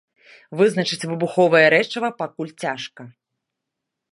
Вызначыць выбуховае рэчыва пакуль цяжка.